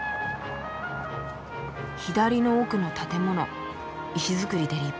左の奥の建物石造りで立派。